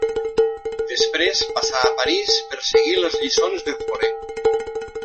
Després passà a París per seguir les lliçons de Fauré.